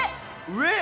上？